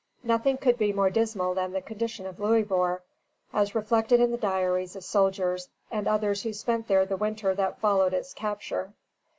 Nothing could be more dismal than the condition of Louisbourg, as reflected in the diaries of soldiers and others who spent there the winter that followed its capture.